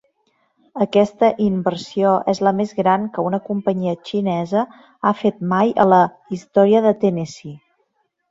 Aquesta inversió és la més gran que una companyia xinesa ha fet mai a la història de Tennessee.